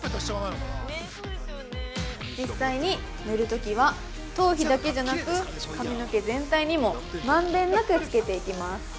◆実際に塗るときは、頭皮だけじゃなく、髪の毛全体にもまんべんなくつけていきます。